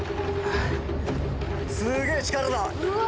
すげぇ力だ！